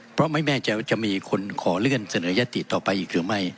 เพราะไม่แน่ใจว่าจะมีคนขอเลื่อนเสนอยติต่อไปอีกหรือไม่